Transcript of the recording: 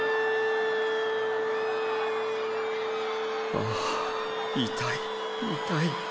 ああ痛い痛い。